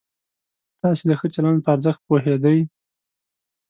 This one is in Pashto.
تاسې د ښه چلند په ارزښت پوهېدئ؟